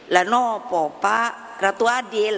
lah nopo pak ratu adil